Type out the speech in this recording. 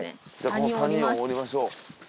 この谷を下りましょう。